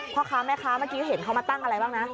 พ่อค้าแม่ค้าเมื่อกี้เห็นเขามาตั้งอะไรบ้างนะ